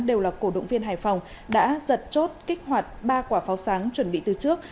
đều là cổ động viên hải phòng đã giật chốt kích hoạt ba quả pháo sáng chuẩn bị từ trước